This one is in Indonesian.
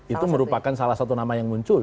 itu merupakan salah satu nama yang muncul